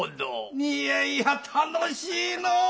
いやいや楽しいのう。